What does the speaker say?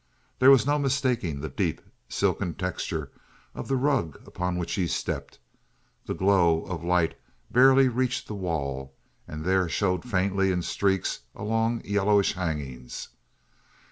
There was no mistaking the deep, silken texture of the rug upon which he stepped; the glow of light barely reached the wall, and there showed faintly in streaks along yellowish hangings.